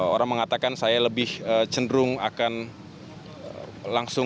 orang mengatakan saya lebih cenderung akan langsung